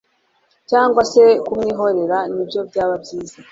cyangwa se kumwihorera nibyo byaba byiza